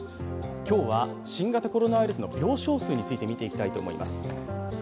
今日は新型コロナウイルスの病床数について見ていきたいと思います。